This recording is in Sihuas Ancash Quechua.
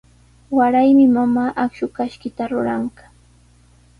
Waraymi mamaa akshu kashkita ruranqa.